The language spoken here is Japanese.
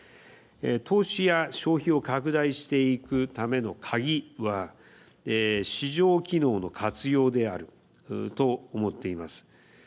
投資や消費を拡大していくための鍵は市場機能の活用であると思っています。